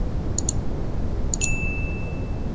دا جواهرات به نیمایي کیږي.